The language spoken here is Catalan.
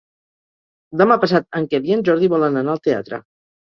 Demà passat en Quel i en Jordi volen anar al teatre.